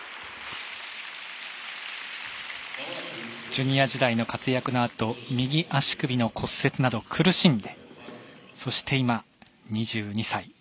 ジュニア時代の活躍のあと右足首の骨折など苦しんでそして今、２２歳。